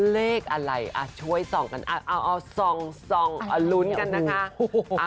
เลขอะไรช่วยส่องกันเอาส่องลุ้นกันนะคะ